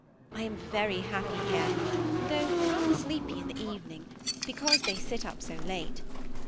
I am verj happy here, though rather sleepy in the evening, because they sit up so late.